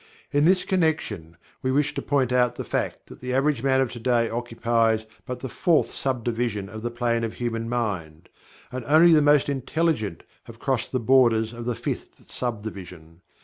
In this connection, we wish to point out the fact that the average man of today occupies but the fourth sub division of the Plane of Human Mind, and only the most intelligent have crossed the borders of the Fifth Sub Division.